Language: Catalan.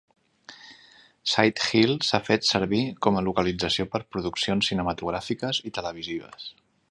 Sighthill s'ha fet servir com a localització per produccions cinematogràfiques i televisives.